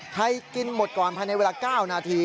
กินหมดก่อนภายในเวลา๙นาที